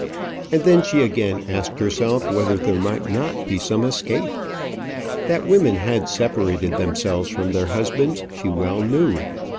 And then she again asked herself whether there might not be some escape. That women had separated themselves from their husbands, she well knew.